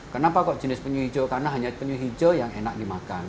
kenapa kok jenis penyu hijau karena hanya penyu hijau yang enak dimakan